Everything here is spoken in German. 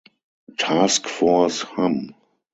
Task Force Hamm.